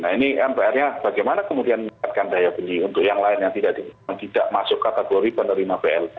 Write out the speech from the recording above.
nah ini mpr nya bagaimana kemudian meningkatkan daya beli untuk yang lain yang tidak masuk kategori penerima blt